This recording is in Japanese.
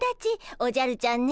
おじゃるちゃんね